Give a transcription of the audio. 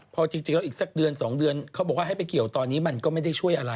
พอจริงแล้วอีกสักเดือน๒เดือนเขาบอกว่าให้ไปเกี่ยวตอนนี้มันก็ไม่ได้ช่วยอะไร